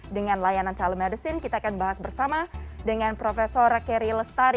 dengan layanan telemedicine kita akan bahas bersama dengan prof keri lestari